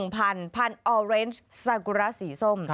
พันธุ์ออเรนซ์ซากุระสีส้ม